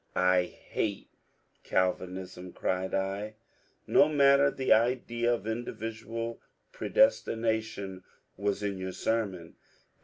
^'I hate Calvinism," cried I. ^^No matter: the idea of individual predestination was in your sermon.